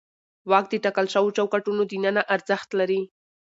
واک د ټاکل شوو چوکاټونو دننه ارزښت لري.